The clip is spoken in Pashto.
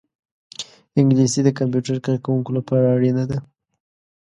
انګلیسي د کمپیوټر کاروونکو لپاره اړینه ده